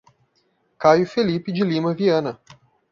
Caio Felipe de Lima Viana